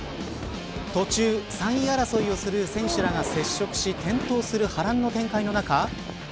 途中、３位争いをする選手らが接触し転倒する波乱の展開の中。